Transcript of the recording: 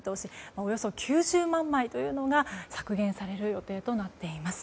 およそ９０万枚が削減される予定となっています。